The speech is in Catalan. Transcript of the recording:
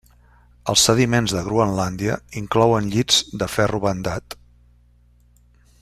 Els sediments de Groenlàndia inclouen llits de ferro bandat.